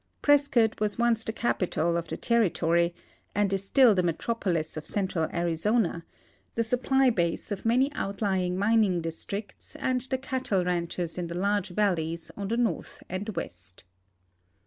Prescott was once the capital of the terri tory and is still the metropolis of central Arizona, the supply base of many outlying mining districts and the cattle ranches in the large valleys on the north and west.